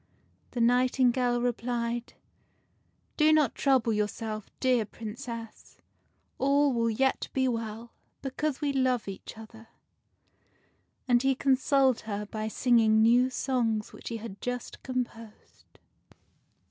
The nightingale replied, " Do not trouble yourself, dear Princess : all will yet be well, because we love each other." And he consoled her by singing new songs which he had just composed.